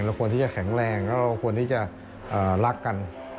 ควรที่จะแข็งแรงแล้วเราควรที่จะรักกัน